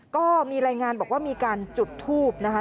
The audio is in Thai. ก็มีรายงานบอกว่ามีการจุดทูบนะคะ